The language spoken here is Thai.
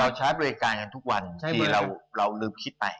ใช้บริการกันทุกวันที่เราลืมคิดไป